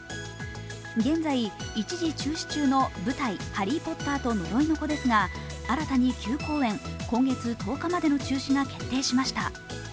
現在、一時中止中の舞台「ハリー・ポッターと呪いの子」ですが、新たに９公演、今月１０日までの中止が決定しました。